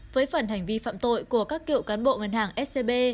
với phần hành vi phạm tội của các cựu cán bộ ngân hàng scb